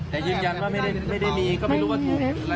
แต่ยินยันว่าไม่ได้มีก็ไม่รู้ว่าถูกอะไรหรือเปล่า